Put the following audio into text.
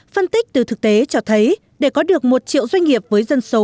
phân tích từ thực tế cho thấy để có được một triệu doanh nghiệp với dân số